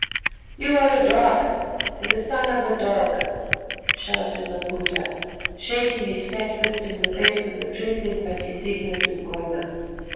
"You are a dog, and a son of a dog," shouted Maputa, shaking his fat fist in the face of the trembling but indignant Umgona.